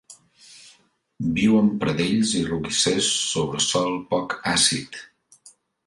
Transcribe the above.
Viu en pradells i roquissers sobre sòl poc àcid.